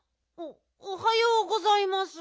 おはようございます。